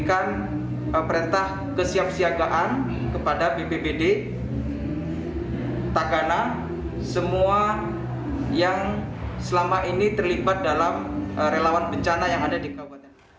saya berterima kasih kepada bpbd takana semua yang selama ini terlibat dalam relawan bencana yang ada di kawah